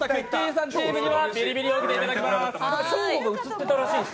さんチームにはビリビリを受けていただきます。